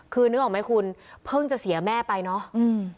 คือนึกออกไหมคุณเพิ่งจะเสียแม่ไปเนอะอืม